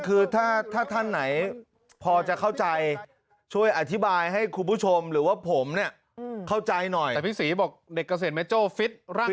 เออนั่นแน่นอนสิ